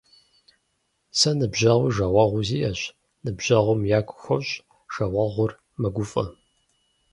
Сэ ныбжьэгъуи жагъуэгъуи сиӏэщ. Ныбжьэгъум ягу хощӏ, жагъуэгъур мэгуфӏэ.